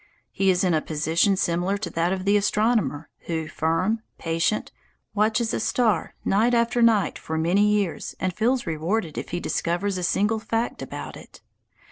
He is in a position similar to that of the astronomer who, firm, patient, watches a star night after night for many years and feels rewarded if he discovers a single fact about it.